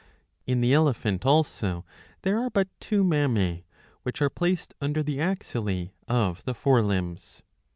In the elephant also there are but^ two mammae, which are placed under the axillae of the fore limbs.